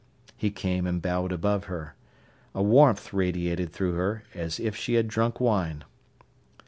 He came and bowed above her. A warmth radiated through her as if she had drunk wine.